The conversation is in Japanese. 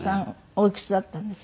おいくつだったんです？